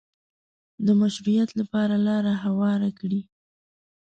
د مشروعیت لپاره لاره هواره کړي